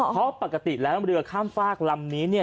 เพราะปกติแล้วเรือข้างฟาดลำนี้